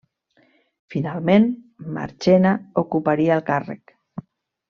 Finalment, Marchena ocuparia el càrrec.